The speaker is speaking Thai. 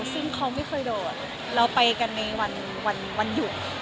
ซึ่งเขาไม่เคยโดดเราไปกันในวันหยุด